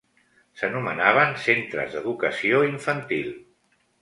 S'anomenaven centres d'Educació Infantil.